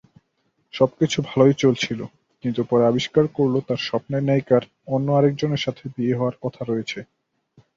সবকিছু ভাল চলছিল, কিন্তু পরে আবিষ্কার করল তার স্বপ্নের নায়িকার অন্য আরেকজনের সাথে বিয়ে হওয়ার কথা রয়েছে।